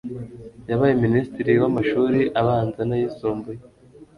yabaye minisitiri w'amashuri abanza n'ayisumbuye